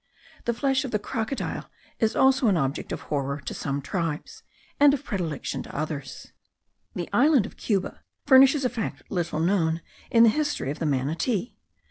The flesh of the crocodile is also an object of horror to some tribes, and of predilection to others. The island of Cuba furnishes a fact little known in the history of the manatee.